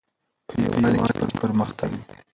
په یووالي کې پرمختګ ده